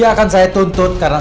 tante akan minta kita beli yang ini